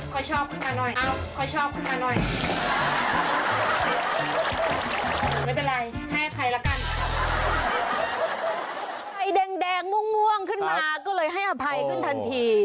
แดงม่วงขึ้นมาก็เลยให้อภัยขึ้นทันที